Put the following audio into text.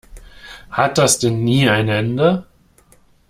Hat das denn nie ein Ende?